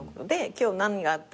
今日何があったの？